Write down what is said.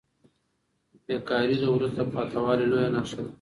بې کاري د وروسته پاته والي لویه نښه ده.